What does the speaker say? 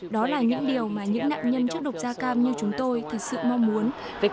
đó là những điều mà những nạn nhân chất độc da cam như chúng tôi thực sự mong muốn